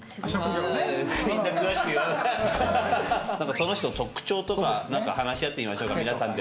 その人の特徴とか話し合ってみましょうか皆さんで。